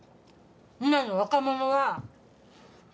今の若者は。